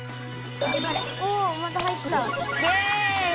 おおまた入った。